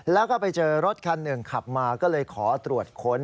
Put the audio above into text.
แล้วก็ไปเจอรถคันหนึ่งขับมาก็เลยขอตรวจค้น